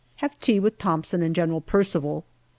Have tea with Thomson and General Percival.